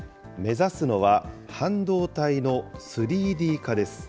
目指すのは、半導体の３Ｄ化です。